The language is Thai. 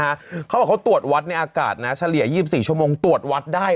เขาบอกเขาตรวจวัดในอากาศนะเฉลี่ย๒๔ชั่วโมงตรวจวัดได้